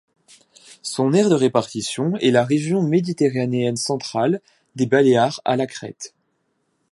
Son aire de répartition est la région méditerranéenne centrale, des Baléares à la Crète.